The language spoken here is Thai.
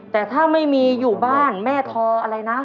แต่ถ้าไม่มีอยู่บ้านแม่ทออะไรนะ